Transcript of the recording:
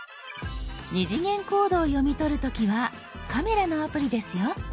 ２次元コードを読み取る時は「カメラ」のアプリですよ。